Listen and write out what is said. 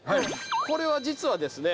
これは実はですね